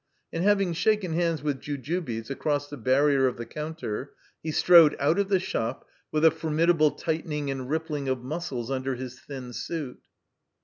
And having shaken hands with Jujubes across the barrier of the counter, he strode out of the shop with a formidable tightening and rippling of muscles under his thin stdt.